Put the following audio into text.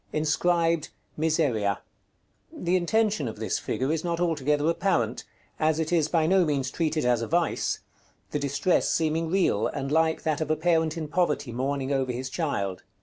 Inscribed "MISERIA." The intention of this figure is not altogether apparent, as it is by no means treated as a vice; the distress seeming real, and like that of a parent in poverty mourning over his child.